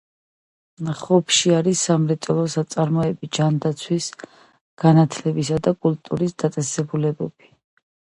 ხობში არის სამრეწველო საწარმოები, ჯანდაცვის, განათლებისა და კულტურის დაწესებულებები.